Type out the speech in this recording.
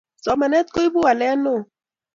somanet koipu walet neo